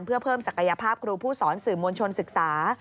เพื่อเพิ่มศักยภาพครูผู้สอนสื่อมวลชนศึกษา